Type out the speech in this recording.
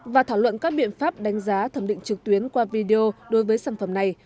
và thảo luận các biện pháp đánh giá thẩm định trực tuyến qua video đối với sản phẩm này